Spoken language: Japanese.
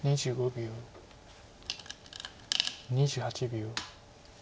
２８秒。